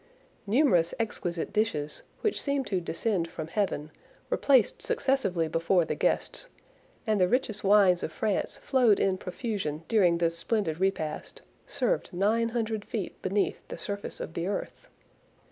Numerous exquisite dishes, which seemed to descend from heaven, were placed successively before the guests, and the richest wines of France flowed in profusion during this splendid repast, served nine hundred feet beneath the surface of the earth!